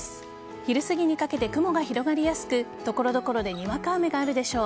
昼すぎにかけて雲が広がりやすく所々でにわか雨があるでしょう。